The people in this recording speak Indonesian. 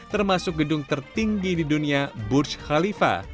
termasuk gedung tertinggi di dunia burj khalifa